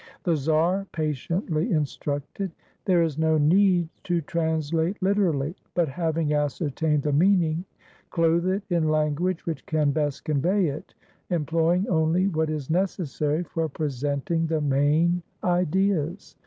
The czar patiently instructed. "There is no need to translate literally, but, having ascertained the meaning clothe it in language which can best convey it, employing only what is necessary for presenting the main ideas.